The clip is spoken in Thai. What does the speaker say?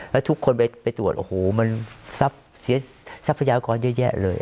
แล้วทุกคนไปตรวจโอ้โหมันทรัพยากรเยอะแยะเลย